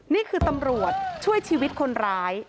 นี่คือตำรวจช่วยชีวิตคนร้าย